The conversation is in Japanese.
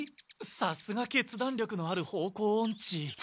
さすが決断力のある方向オンチ。